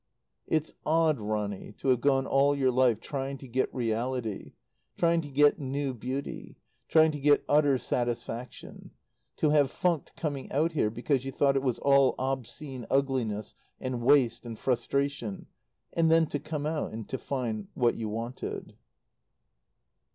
It's odd, Ronny, to have gone all your life trying to get reality, trying to get new beauty, trying to get utter satisfaction; to have funked coming out here because you thought it was all obscene ugliness and waste and frustration, and then to come out, and to find what you wanted.